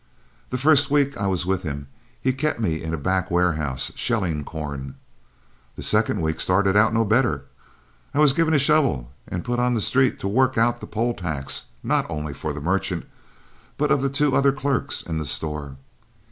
The first week I was with him he kept me in a back warehouse shelling corn. The second week started out no better. I was given a shovel and put on the street to work out the poll tax, not only of the merchant but of two other clerks in the store.